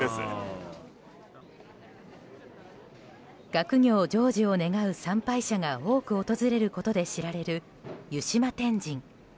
学業成就を願う参拝者が多く訪れることで知られる湯島天神。